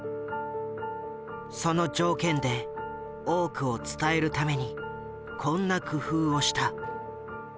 その条件で多くを伝えるためにこんな工夫をした。